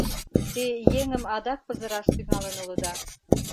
Те еҥым адак пызыраш тӱҥалын улыда...